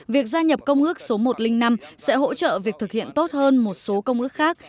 việc gia nhập công ước số một trăm linh năm sẽ hỗ trợ việc thực hiện tốt hơn một số công ước khác